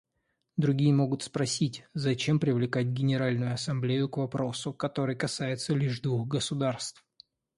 Другие могут спросить: зачем привлекать Генеральную Ассамблею к вопросу, который касается лишь двух государств?